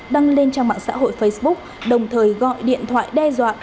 đăng lên trang mạng xã hội facebook đồng thời gọi điện thoại đe dọa